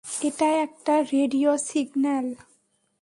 এটা একটা radio signal.